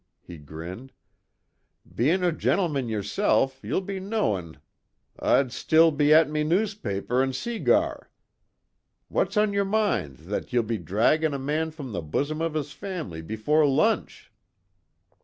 he grinned, "Bein' a gintleman yersilf, ye'll be knowin' Oi'd still be at me newspaper an' seegar. Whut's on yer mind thot ye'll be dhraggin' a mon from the bossom of his family befoor lunch?"